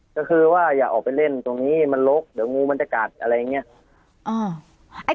ก็คือว่าอย่าออกไปเล่นตรงนี้มันลกเดี๋ยวงูมันจะกัดอะไรอย่างนี้